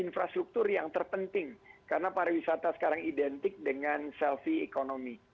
infrastruktur yang terpenting karena pariwisata sekarang identik dengan selfie ekonomi